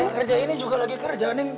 kerja ini juga lagi kerja nih